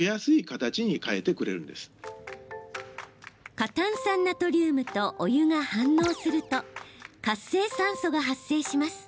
過炭酸ナトリウムとお湯が反応すると活性酸素が発生します。